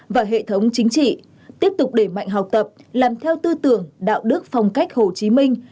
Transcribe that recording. và hệ thống chính trị tiếp tục đẩy mạnh học tập làm theo tư tưởng đạo đức phong cách hồ chí minh